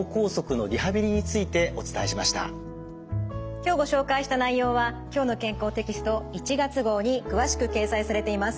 今日ご紹介した内容は「きょうの健康」テキスト１月号に詳しく掲載されています。